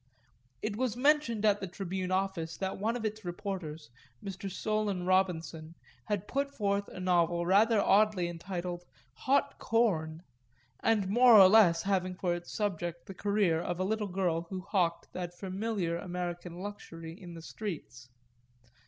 It was mentioned at the Tribune office that one of its reporters, Mr. Solon Robinson, had put forth a novel rather oddly entitled "Hot Corn" and more or less having for its subject the career of a little girl who hawked that familiar American luxury in the streets.